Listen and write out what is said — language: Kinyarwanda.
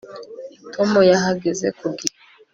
Tom yahageze ku gihe